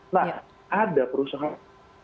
nah ada perusahaan